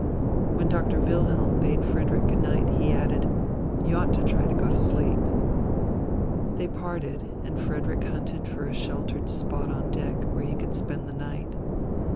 When Doctor Wilhelm bade Frederick good night, he added: "You ought to try to go to sleep." They parted, and Frederick hunted for a sheltered spot on deck, where he could spend the night.